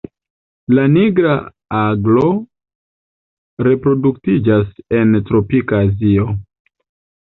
La Nigra aglo reproduktiĝas en tropika Azio.